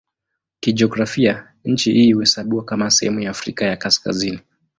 Kijiografia nchi hii huhesabiwa kama sehemu ya Afrika ya Kaskazini.